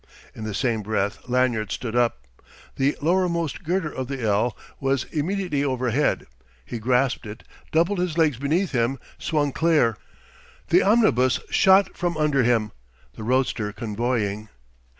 In the same breath Lanyard stood up. The lowermost girder of the "L" was immediately overhead. He grasped it, doubled his legs beneath him, swung clear. The omnibus shot from under him, the roadster convoying.